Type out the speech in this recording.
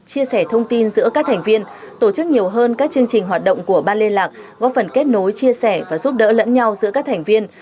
chia sẻ thông tin giữa các thành viên tổ chức nhiều hơn các chương trình hoạt động của ban liên lạc góp phần kết nối chia sẻ và giúp đỡ lẫn nhau giữa các thành viên